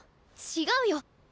違うよ！